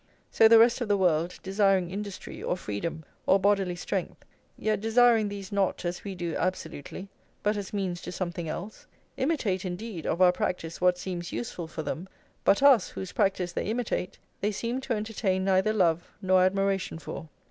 So the rest of the world, desiring industry, or freedom, or bodily strength, yet desiring these not, as we do, absolutely, but as means to something else, imitate, indeed, of our practice what seems useful for them, but us, whose practice they imitate, they seem to entertain neither love nor admiration for.